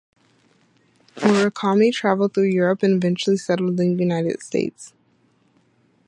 Murakami traveled through Europe and eventually settled in the United States.